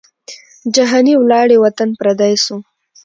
جهاني ولاړې وطن پردی سو